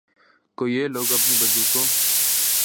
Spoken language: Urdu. کو یہ لوگ اپنی بندوقوں